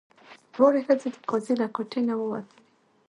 دواړه ښځې د قاضي له کوټې نه ووتلې.